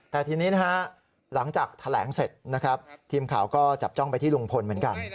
แต่ทีนี้นะฮะหลังจากแถลงเสร็จนะครับทีมข่าวก็จับจ้องไปที่ลุงพลเหมือนกัน